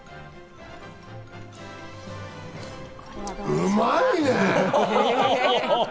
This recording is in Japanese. うまいね！